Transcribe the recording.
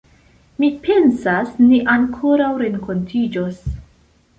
Mi pensas, ni ankoraŭ renkontiĝos.